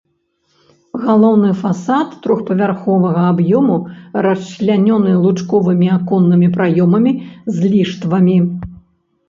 Галоўны фасад трохпавярховага аб'ёму расчлянёны лучковымі аконнымі праёмамі з ліштвамі.